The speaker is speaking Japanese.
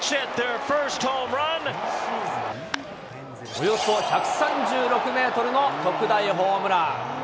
およそ１３６メートルの特大ホームラン。